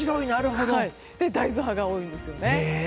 なので大豆派が多いんですね。